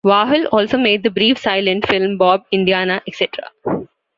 Warhol also made the brief silent film Bob Indiana Etc.